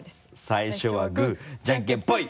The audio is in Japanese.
最初はグーじゃんけんぽい！